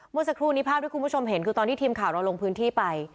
เมื่อสักครู่นี้ภาพที่คุณผู้ชมเห็นคือตอนที่ทีมข่าวเราลงพื้นที่ไป